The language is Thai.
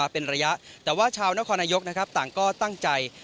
เป็นระยะแต่ว่าชาวนครนายกต่าง